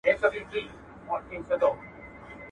چي امیر خلک له ځانه وه شړلي!